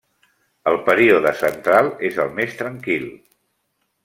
El període central és el més tranquil.